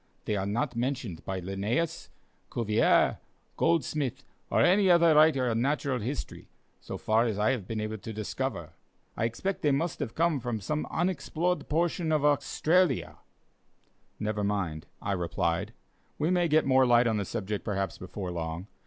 They are not mentioned by Linnæus, Cuvier, Goldsmith, or any other writer on natural history, so far as I have been able to discover. I expect they must have come from some unexplored portion of Australia." "Never mind," I replied, "we may get more light on the subject, perhaps, before long.